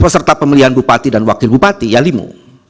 serta pemilihan bupati dan wakil bupati yalimo